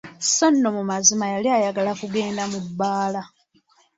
Sso nno mu mazima yali ayagala kugenda mu bbaala!